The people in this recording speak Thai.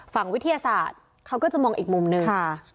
วิทยาศาสตร์เขาก็จะมองอีกมุมหนึ่ง